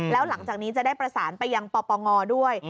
แล้วหลังจากนี้จะได้ประสานไปยังปปงด้วย